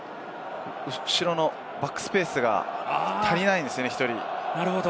後ろのバックスペースが足りないんですよね、１人。